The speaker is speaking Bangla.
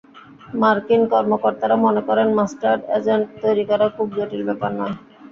মার্কিন কর্মকর্তারা মনে করেন, মাস্টার্ড এজেন্ট তৈরি করা খুব জটিল ব্যাপার নয়।